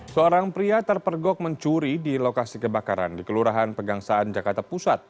seorang pria terpergok mencuri di lokasi kebakaran di kelurahan pegangsaan jakarta pusat